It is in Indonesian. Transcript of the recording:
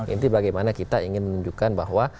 inti bagaimana kita ingin menunjukkan bahwa